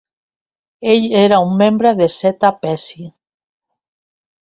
Ell era un membre de Zeta Psi.